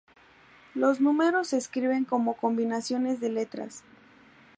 Los números se escriben como combinaciones de letras.